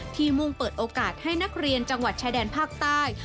มุ่งเปิดโอกาสให้นักเรียนจังหวัดชายแดนภาคใต้